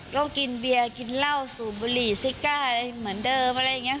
ก็กินเบียร์กินเหล้าสูบบุหรี่ซิก้าอะไรเหมือนเดิมอะไรอย่างนี้